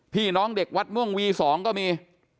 พี่น้องเด็กวัดม่วงวี๒ก็มี